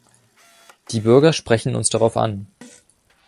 Die Bürger sprechen uns darauf an.